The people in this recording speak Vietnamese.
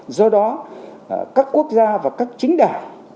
do đó các quốc gia và các chính đảng